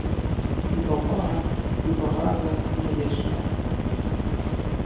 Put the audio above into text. І павага, і пагарда не вечныя.